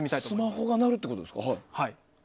スマホが鳴るってことですか？